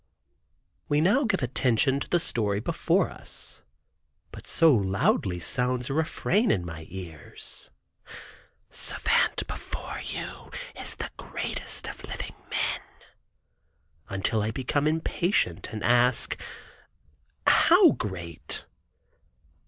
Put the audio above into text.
We now give attention to the story before us, but so loudly sounds a refrain in my ears, "Savant before you is the greatest of living men," until I become impatient, and ask, "how great?"